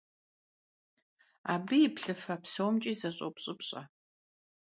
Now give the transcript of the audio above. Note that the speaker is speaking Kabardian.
Абы и плъыфэ псомкӀи зэщӀопщӀыпщӀэ.